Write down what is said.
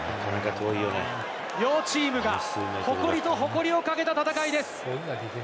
両チームが誇りと誇りをかけた戦いです。